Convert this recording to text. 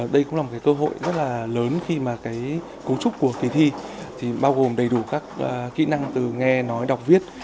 đây cũng là một cơ hội rất là lớn khi mà cái cấu trúc của kỳ thi thì bao gồm đầy đủ các kỹ năng từ nghe nói đọc viết